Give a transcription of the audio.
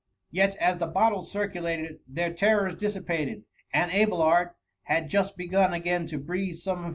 Yet as the bottle circulated their terrors dissipated, and Abelard had just begun again to breathe some of